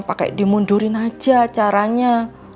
pake dimundurin aja caranya